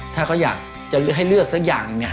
ถ้าเขาอยากให้เลือกสักอย่างไป